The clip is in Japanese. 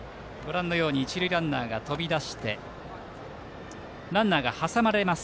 一塁ランナーが飛び出してランナーが挟まれます。